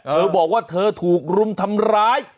เธอบอกว่าเธอถูกรุมทำร้าย